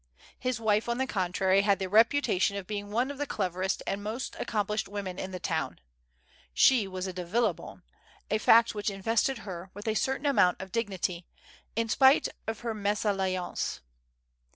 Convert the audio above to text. His wife, on the contrary, had thp reputation of being one of the cleverest and most acepfp plished women in the town. She was a Pe Villebonne, a fact which invested her with a certain amount pf dig nity, in spite of her mesalliance.